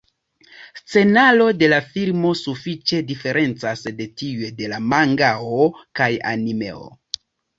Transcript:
Scenaro de la filmo sufiĉe diferencas de tiuj de la mangao kaj animeo.